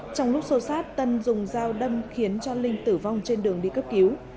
trong lúc sâu sát tân dùng dao đâm khiến cho linh tử vong trên đường đi cấp cứu